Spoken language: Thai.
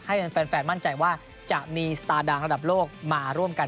ให้แฟนมั่นใจว่าจะมีสตาร์ดังระดับโลกมาร่วมกัน